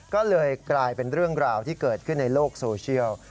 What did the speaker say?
ก็เลยกลายเป็นเรื่องราวที่เกิดขึ้นในโลกโซเชียล